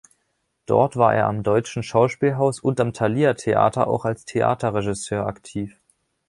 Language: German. Dort war er am Deutschen Schauspielhaus und am Thalia Theater auch als Theaterregisseur aktiv.